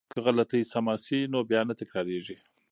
که غلطی سمه شي نو بیا نه تکراریږي.